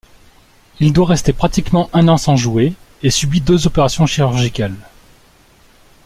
Il doit rester pratiquement un an sans jouer et subit deux opérations chirurgicales.